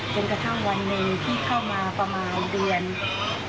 จนกระทั่งวันหนึ่งที่เข้ามาประมาณเดือน